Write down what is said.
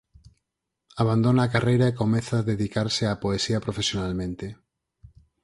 Abandona a carreira e comeza a dedicarse á poesía profesionalmente.